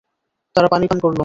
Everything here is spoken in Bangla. তারা পানি পান করল।